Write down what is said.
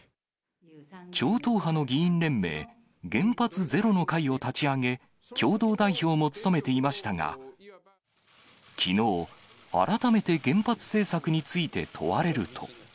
超党派の議員連盟、原発ゼロの会を立ち上げ、共同代表も務めていましたが、きのう、改めて原発政策について問われると。